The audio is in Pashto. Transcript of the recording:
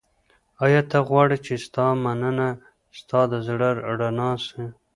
ایا ته غواړې چي ستا مننه ستا د زړه رڼا سي؟